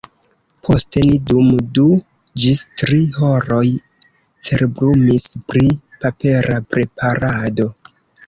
Poste ni dum du ĝis tri horoj cerbumis pri papera preparado.